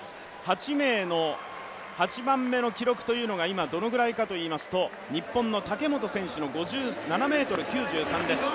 ８名の８番目の記録が今どのくらいかといいますと日本の武本選手の５７ｍ９３です。